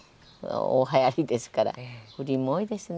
大はやりですから不倫も多いですね。